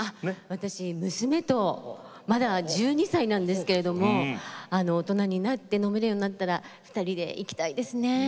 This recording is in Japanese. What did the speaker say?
私娘とまだ１２歳なんですけれども大人になって飲めるようになったら２人で行きたいですね。